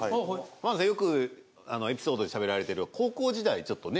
よくエピソードでしゃべられてる高校時代ちょっとね